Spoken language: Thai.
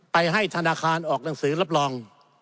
ให้ธนาคารออกหนังสือรับรอง